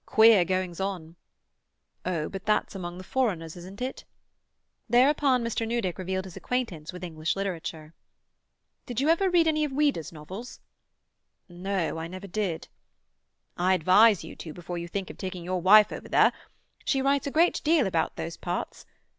"Queer goings on." "Oh, but that's among the foreigners, isn't it?" Thereupon Mr. Newdick revealed his acquaintance with English literature. "Did you ever read any of Ouida's novels?" "No, I never did." "I advise you to before you think of taking your wife over there. She writes a great deal about those parts.